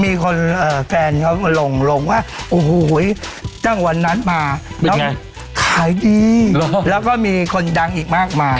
มีคนแฟนเขามาลงลงว่าโอ้โหตั้งวันนั้นมาน้องขายดีแล้วก็มีคนดังอีกมากมาย